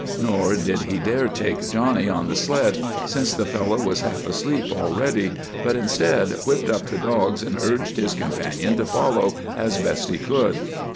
Nor did he dare take Johnny on the sled, since the fellow was half asleep already, but instead whipped up the dogs and urged his companion to follow as best he could.